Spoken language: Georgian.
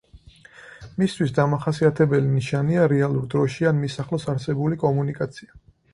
მისთვის დამახასიათებელი ნიშანია რეალურ დროში ან მის ახლოს არსებული კომუნიკაცია.